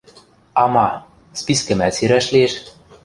А ма... спискӹмӓт сирӓш лиэш...